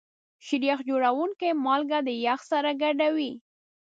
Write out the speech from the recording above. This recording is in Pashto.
شیریخ جوړونکي مالګه د یخ سره ګډوي.